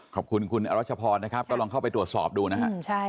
ขอบคุณคุณอรัชพรนะครับก็ลองเข้าไปตรวจสอบดูนะฮะ